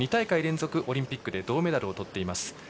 オリンピックで銅メダルをとっています。